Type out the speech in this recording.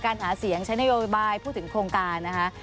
หาเสียงใช้นโยบายพูดถึงโครงการนะคะ